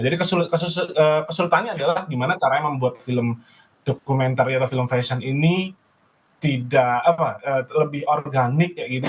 jadi kesulitannya adalah gimana caranya membuat film dokumentari atau film fashion ini tidak apa lebih organik ya gitu